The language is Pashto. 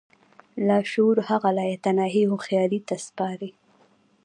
لاشعور هغه لايتناهي هوښياري ته سپاري.